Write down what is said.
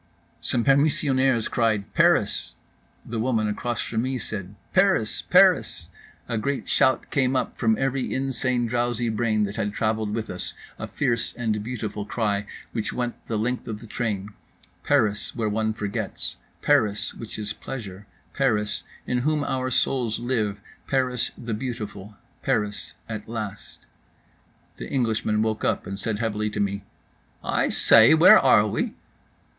Some permissionaires cried "Paris." The woman across from me said "Paris, Paris." A great shout came up from every insane drowsy brain that had travelled with us—a fierce and beautiful cry, which went the length of the train…. Paris, where one forgets, Paris, which is Pleasure, Paris, in whom our souls live, Paris, the beautiful, Paris at last. The Englishman woke up and said heavily to me: "I say, where are we?"